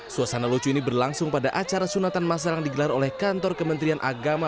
suasana lucu ini berlangsung pada acara sunatan masal yang digelar oleh kantor kementerian agama